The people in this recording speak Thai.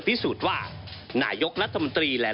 ก็ได้มีการอภิปรายในภาคของท่านประธานที่กรกครับ